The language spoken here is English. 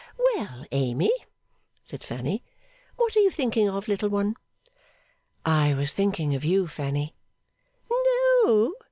'Well, Amy,' said Fanny, 'what are you thinking of, little one?' 'I was thinking of you, Fanny.' 'No?